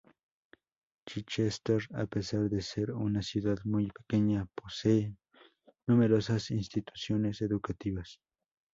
Chichester, a pesar de ser una ciudad muy pequeña, posee numerosas instituciones educativas.